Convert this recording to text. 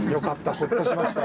ほっとしました。